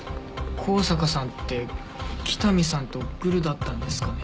香坂さんって北見さんとグルだったんですかね？